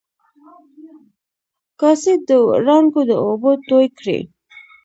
کاسي د و ړانګو د اوبو توی کړي